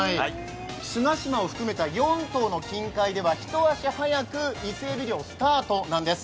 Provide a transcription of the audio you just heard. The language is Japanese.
菅島を含めた４島の近海では９月から伊勢えび漁スタートなんです。